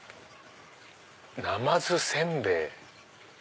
「なまずせんべい」！